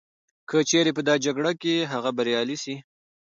که چیري په دا جګړه کي هغه بریالی سي